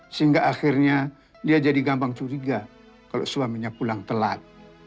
sehingga akhirnya dia jadi gampang curiga kalau suaminya pulang telat